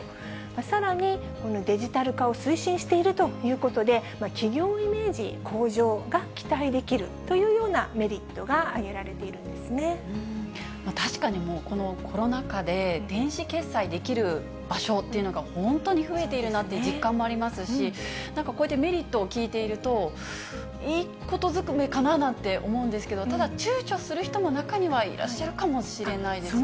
さらにデジタル化を推進しているということで、企業イメージ向上が期待できるというようなメリットが挙げられて確かにもう、このコロナ禍で、電子決済できる場所っていうのが本当に増えているなっていう実感もありますし、なんかこうやってメリットを聞いていると、いいことずくめかなと思うんですけど、ただちゅうちょする人も、中にはいらっしゃるかもしれないですね。